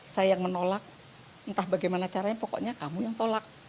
saya yang menolak entah bagaimana caranya pokoknya kamu yang tolak